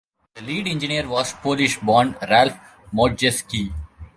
The lead engineer was Polish-born Ralph Modjeski.